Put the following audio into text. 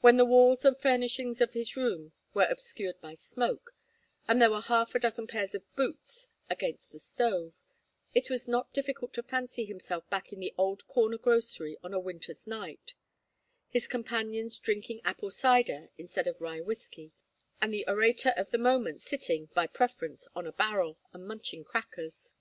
When the walls and furnishings of his room were obscured by smoke, and there were half a dozen pairs of boots against his stove, it was not difficult to fancy himself back in the old corner grocery on a winter's night: his companions drinking apple cider, instead of rye whiskey, and the orator of the moment sitting, by preference, on a barrel, and munching crackers.